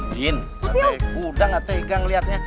jin udah gak tegang liatnya